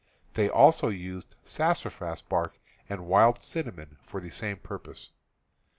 They also used sassafras bark and wild cinnamon for the same purpose.